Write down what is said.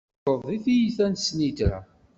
Tzewṛeḍ g tyita n ssnitra.